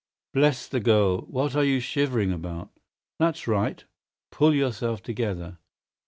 Bless the girl, what are you shivering about? That's right! Pull yourself together!